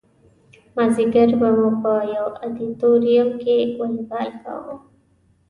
مازدیګر به مو په یو ادیتوریم کې والیبال کاوه.